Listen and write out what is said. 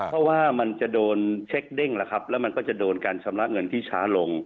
เพราะว่ามันจะโดนเช็คเด้งแล้วครับแล้วมันก็จะโดนการชำระเงินที่ช้าลง